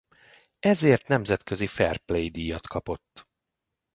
Ezért nemzetközi Fair Play-díjat kapott.